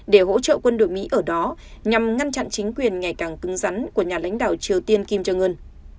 để hỗ trợ quân đội mỹ ở đó nhằm ngăn chặn chính quyền ngày càng cứng rắn của nhà lãnh đạo triều tiên kim jong un